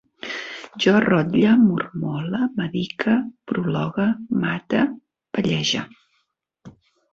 Jo rotlle, mormole, medique, prologue, mate, pellege